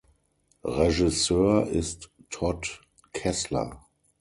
Regisseur ist Todd Kessler.